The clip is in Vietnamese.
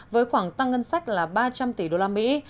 với khoảng tăng ngân sách là ba trăm linh tỷ đô la mỹ